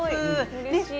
うれしい。